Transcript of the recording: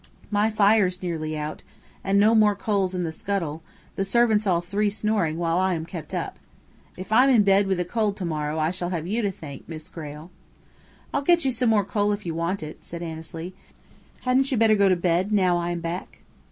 My fire's nearly out, and no more coals in the scuttle, the servants all three snoring while I am kept up. If I'm in bed with a cold to morrow I shall have you to thank, Miss Grayle." "I'll get you some more coal if you want it," said Annesley. "Hadn't you better go to bed now I am back?"